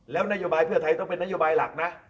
แล้วนโยบายเพื่อไทยต้องเป็นนโยบายหลักนะ